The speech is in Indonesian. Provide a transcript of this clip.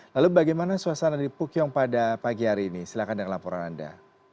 lalu bagaimana suasana di pukyong pada pagi hari ini silahkan dengan laporan anda